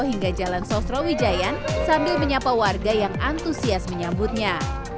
hingga jalan sosrawijayan sambil menyapa warga yang antusias menyambutnya